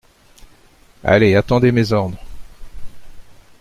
Allez… attendez mes ordres.